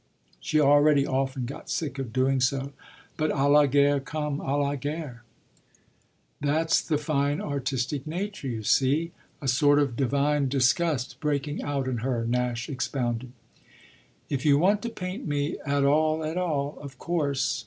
She already often got sick of doing so, but à la guerre comme à la guerre. "That's the fine artistic nature, you see a sort of divine disgust breaking out in her," Nash expounded. "If you want to paint me 'at all at all' of course.